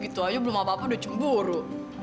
gitu aja belum apa apa udah cemburu